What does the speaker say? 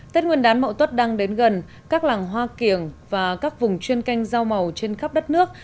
tết nguyên đán mậu tuất đang đến gần các làng hoa kiểng và các vùng chuyên canh rau màu trên khắp đất nước